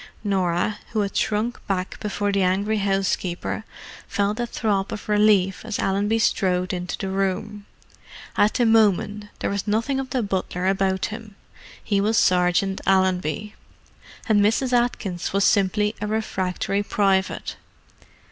Norah, who had shrunk back before the angry housekeeper, felt a throb of relief as Allenby strode into the room. At the moment there was nothing of the butler about him—he was Sergeant Allenby, and Mrs. Atkins was simply a refractory private.